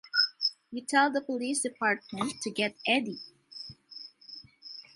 You tell the police department to get Eddie.